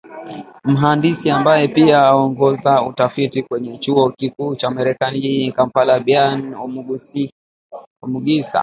Mhandisi ambaye pia anaongoza utafiti kwenye chuo kikuu cha Makerere jijini Kampala Bain Omugisa amesema kwamba hatua hiyo imechochewa na ongezeko la vifo